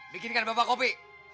bikinkan bapak kopi